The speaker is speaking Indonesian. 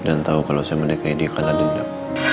dan tau kalau saya mendekati ikan adindam